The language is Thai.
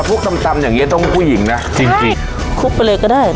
ถ้าพลุกตำตำอย่างเงี้ยต้องกลุ่มผู้หญิงนะจริงจริงคลุกไปเลยก็ได้